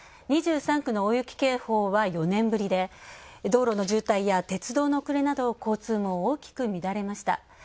２３区の大雪警報は４年ぶりで道路の渋滞や鉄道の遅れなどの交通網、大きく乱れました。